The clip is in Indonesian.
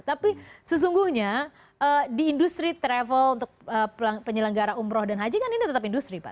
tapi sesungguhnya di industri travel untuk penyelenggara umroh dan haji kan ini tetap industri pak